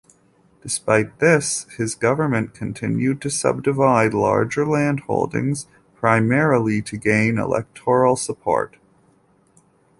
Despite this, his government continued to subdivide larger landholdings, primarily to gain electoral support.